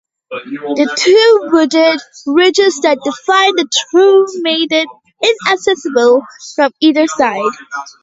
The two wooded ridges that define The Trough make it inaccessible from either side.